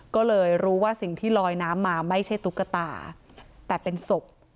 ก็เลยรู้ว่าสิ่งที่ลอยน้ำมาไม่ใช่ตุ๊กตาแต่เป็นศพ